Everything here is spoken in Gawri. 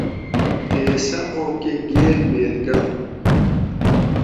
تے سہ آم کہۤ گیل میل گڑۤنت